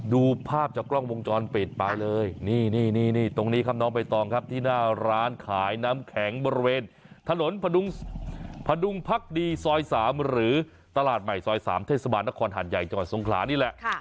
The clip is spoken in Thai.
ดูภาพจากกล้องวงจรปิดไปเลยนี่ตรงนี้ครับน้องใบตองครับที่หน้าร้านขายน้ำแข็งบริเวณถนนพดุงพักดีซอย๓หรือตลาดใหม่ซอย๓เทศบาลนครหัดใหญ่จังหวัดทรงขลานี่แหละ